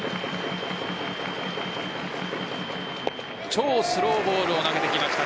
超スローボールを投げてきました。